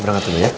berangkat dulu ya